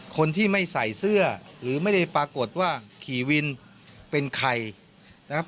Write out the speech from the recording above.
คนที่ไม่ใส่เสื้อหรือไม่ได้ปรากฏว่าขี่วินเป็นใครนะครับ